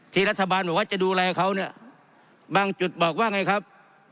รัฐบาลบอกว่าจะดูแลเขาเนี่ยบางจุดบอกว่าไงครับ